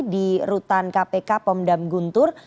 di rutan kpk pomdam guntur